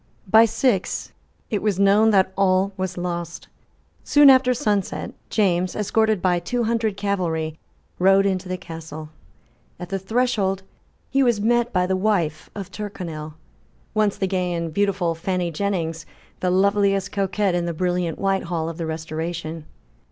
By six it was known that all was lost. Soon after sunset, James, escorted by two hundred cavalry, rode into the Castle. At the threshold he was met by the wife of Tyrconnel, once the gay and beautiful Fanny Jennings, the loveliest coquette in the brilliant Whitehall of the Restoration.